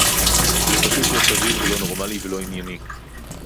זה פשוט לא סביר ולא נורמלי ולא ענייני